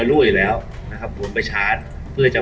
สวัสดีครับวันนี้เราจะกลับมาเมื่อไหร่